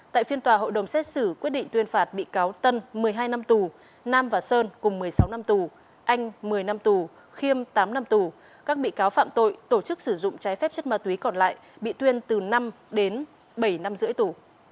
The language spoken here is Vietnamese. tại phiên tòa hội đồng xét xử quyết định tuyên phạt bị cáo tân một mươi hai năm tù nam và sơn cùng một mươi sáu năm tù anh một mươi năm tù khiêm tám năm tù các bị cáo phạm tội tổ chức sử dụng trái phép chất ma túy còn lại bị tuyên từ năm đến bảy năm rưỡi tù